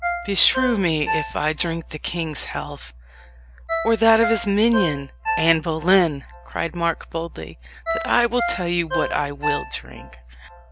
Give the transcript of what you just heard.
"Beshrew me if I drink the king's health, or that of his minion, Anne Boleyn!" cried Mark boldly. "But I will tell you what I will drink.